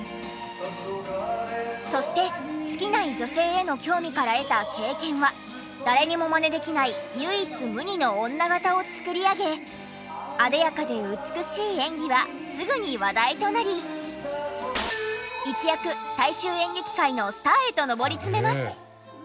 そして尽きない女性への興味から得た経験は誰にもマネできない唯一無二の女形を作り上げ艶やかで美しい演技はすぐに話題となり一躍時には。